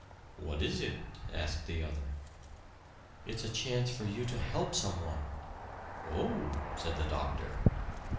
"What is it?" asked the other. "It's a chance for you to help some one." "Oh!" said the doctor.